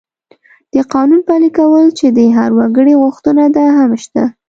د قانون پلي کول چې د هر وګړي غوښتنه ده، هم شته.